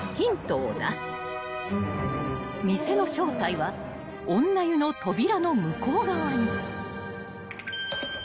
［店の正体は女湯の扉の向こう側に］